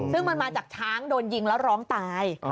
ซึ่งมันมาจากช้างโดนยิงแล้วร้องตาย